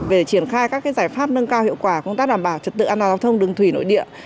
về triển khai các giải pháp nâng cao hiệu quả công tác đảm bảo trật tự an toàn giao thông đường thủy nội địa